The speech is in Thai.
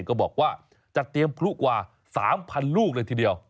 ก็บอกว่าจัดเตรียมพลุกว่า๓๐๐ลูกเลยทีเดียว